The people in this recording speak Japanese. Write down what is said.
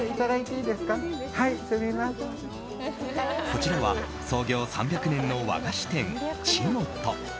こちらは創業３００年の和菓子店、ちもと。